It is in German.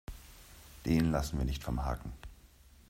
Den lassen wir nicht vom Haken.